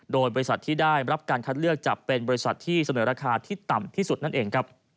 โดยบริษัทที่ได้รับการคัดเลือกจะเป็นบริษัทที่เสนอราคาที่ต่ำที่สุดนั่นเองครับ